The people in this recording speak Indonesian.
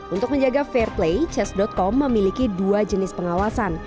untuk menjaga fair play chess com memiliki dua jenis pengawasan